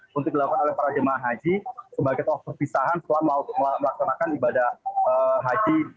bisa dianjurkan oleh para jemaah haji sebagai toah perpisahan selama melaksanakan ibadah haji seribu empat ratus empat puluh tiga